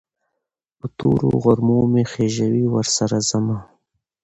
په تورو غرو مې خېژوي، ورسره ځمه